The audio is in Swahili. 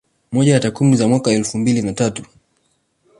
Moja ya takwimu za mwaka elfu mbili na tatu